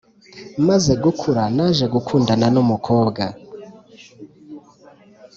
maze gukura naje gukundana numukobwa